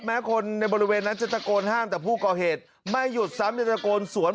แม้คนในบริเวณนั้นจะตะโกนห้ามแต่ผู้ก่อเหตุไม่หยุดซ้ำจะตะโกนสวน